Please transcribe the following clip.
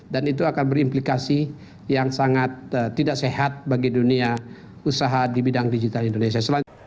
dan itu akan berimplikasi yang sangat tidak sehat bagi dunia usaha di bidang digital indonesia